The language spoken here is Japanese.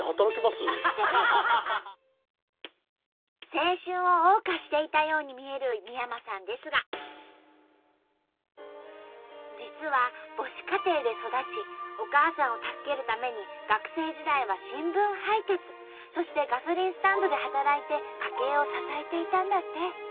青春を謳歌していたように見える三山さんですが実は母子家庭で育ちお母さんを助けるために学生時代は新聞配達そしてガソリンスタンドで働いて家計を支えていたんだって。